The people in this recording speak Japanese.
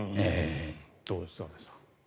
どうですか、安部さん。